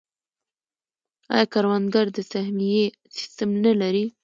آیا کروندګر د سهمیې سیستم نلري؟